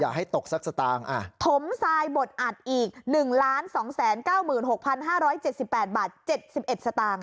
อย่าให้ตกสักสตางค์อ่ะถมทรายบทอัดอีกหนึ่งล้านสองแสนเก้าหมื่นหกพันห้าร้อยเจ็ดสิบแปดบาทเจ็ดสิบเอ็ดสตางค์